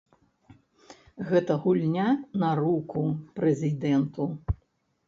Гэта гульня на руку прэзідэнту.